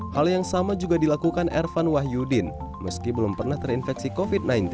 hal yang sama juga dilakukan ervan wahyudin meski belum pernah terinfeksi covid sembilan belas